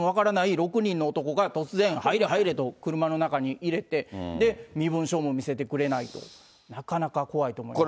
６人の男が、突然、入れ、入れと車の中に入れて、身分証も見せてくれないと、なかなか怖いと思います。